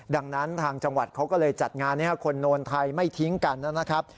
ดังนั้นทางจังหวัดเขาก็เลยจัดงานให้คนโนนไทยไม่ทิ้งกันนะครับ